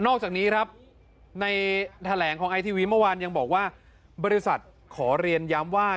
อกจากนี้ครับในแถลงของไอทีวีเมื่อวานยังบอกว่าบริษัทขอเรียนย้ำว่า